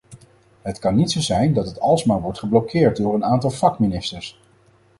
Het kan niet zo zijn dat het alsmaar wordt geblokkeerd door een aantal vakministers.